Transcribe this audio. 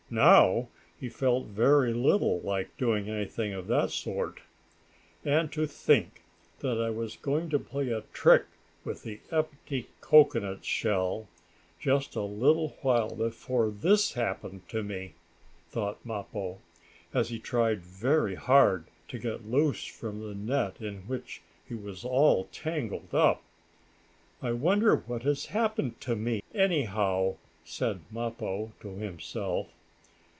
Now he felt very little like doing anything of that sort. "And to think that I was going to play a trick with the empty cocoanut shell, just a little while before this happened to me," thought Mappo, as he tried very hard to get loose from the net in which he was all tangled up. "I wonder what has happened to me, anyhow," said Mappo to himself.